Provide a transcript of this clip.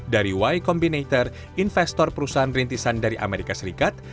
dari y combinator investor perusahaan rintisan dari amerika serikat